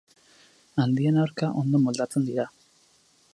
Handien aurka ondo moldatzen dira.